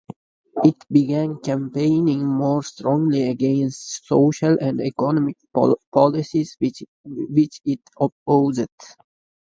It began campaigning more strongly against social and economic policies which it opposed.